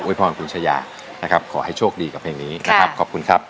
ตัวช่วยละครับเหลือใช้ได้อีกสองแผ่นป้ายในเพลงนี้จะหยุดทำไมสู้อยู่แล้วนะครับ